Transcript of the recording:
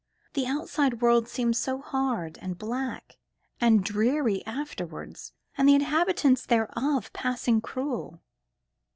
The outside world seems so hard, and black, and dreary afterwards, and the inhabitants thereof passing cruel.